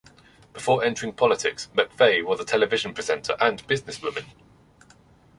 Before entering politics, McVey was a television presenter and businesswoman.